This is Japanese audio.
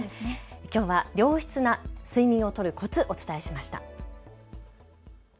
きょうは良質な睡眠をとるコツ、お伝えしました。